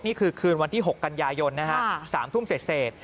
นี่คือคืนวันที่๖กันยายน๓ทุ่มเสร็จ